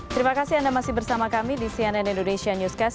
terima kasih anda masih bersama kami di cnn indonesia newscast